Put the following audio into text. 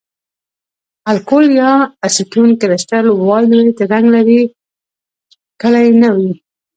الکول یا اسیټون کرسټل وایولېټ رنګ لرې کړی نه وي.